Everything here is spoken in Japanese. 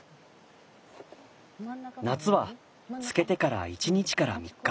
夏は漬けてから１日から３日。